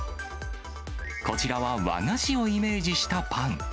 こちらは和菓子をイメージしたパン。